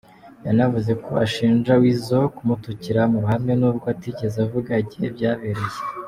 Yanavuze ko ashinja Weasel kumutukira mu ruhame n’ubwo atigeze avuga igihe byabereye.